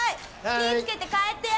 気ぃ付けて帰ってや。